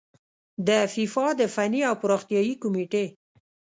د فیفا د فني او پراختیايي کميټې